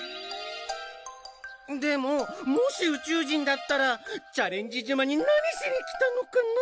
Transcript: でももし宇宙人だったらちゃれんじ島に何しに来たのかな？